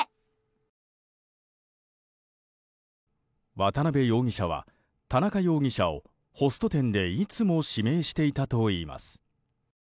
渡邊容疑者は田中容疑者をホスト店でいつも指名していたといいます。